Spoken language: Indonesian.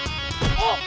ya udah bang